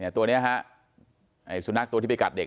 ตัวนี้ฮะไอ้สุนัขตัวที่ไปกัดเด็ก